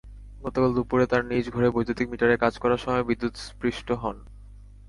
গতকাল দুপুরে তাঁর নিজ ঘরে বৈদ্যুতিক মিটারে কাজ করার সময় বিদ্যুৎস্পৃষ্ট হন।